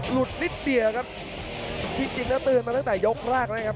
นิดเดียวครับที่จริงแล้วเตือนมาตั้งแต่ยกแรกแล้วนะครับ